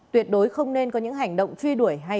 tuyệt đối không nên có những hành động truy đuổi hay bắt